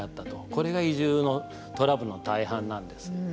これが移住のトラブルの大半なんです。